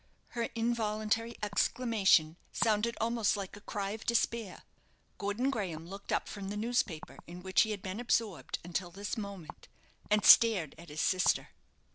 Her involuntary exclamation sounded almost like a cry of despair. Gordon Graham looked up from the newspaper in which he had been absorbed until this moment, and stared at his sister.